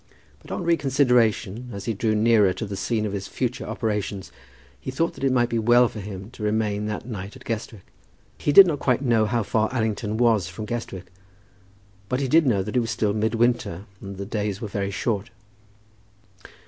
But on reconsideration, as he drew nearer to the scene of his future operations, he thought that it might be well for him to remain that night at Guestwick. He did not quite know how far Allington was from Guestwick, but he did know that it was still mid winter, and that the days were very short.